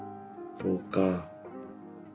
そうか。